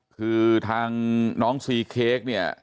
คือทางน้องซีเค้ก